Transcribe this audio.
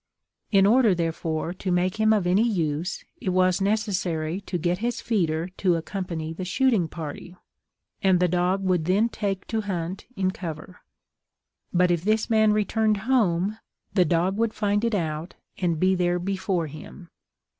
In order, therefore, to make him of any use, it was necessary to get his feeder to accompany the shooting party, and the dog would then take to hunt in cover; but if this man returned home, the dog would find it out and be there before him.